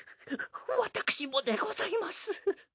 私もでございます。